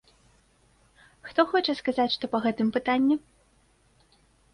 Хто хоча сказаць што па гэтым пытанні?